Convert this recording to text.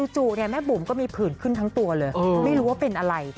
แม่บุ๋มก็มีผื่นขึ้นทั้งตัวเลยไม่รู้ว่าเป็นอะไร